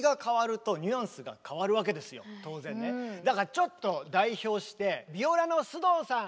だからちょっと代表してビオラの須藤さん